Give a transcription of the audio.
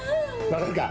分かるか？